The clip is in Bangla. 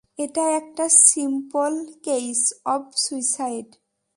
এটা একটা সিম্পল কেইস অব সুইসাইড।